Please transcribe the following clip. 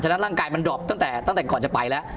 ฉะร่างกายมันดอบตั้งแต่ก่อนจะไปแล้ว